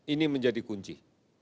ini menjadi kunci